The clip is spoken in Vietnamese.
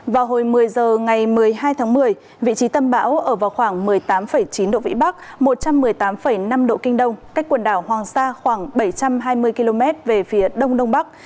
vào hồi một mươi h ngày một mươi hai tháng một mươi vị trí tâm bão ở vào khoảng một mươi tám chín độ vĩ bắc một trăm một mươi tám năm độ kinh đông cách quần đảo hoàng sa khoảng bảy trăm hai mươi km về phía đông đông bắc